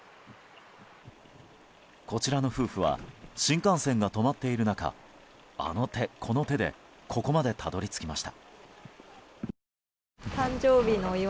こちらの夫婦は新幹線が止まっている中あの手この手でここまでたどり着きました。